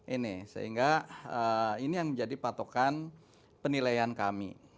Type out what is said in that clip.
ini sehingga ini yang menjadi patokan penilaian kami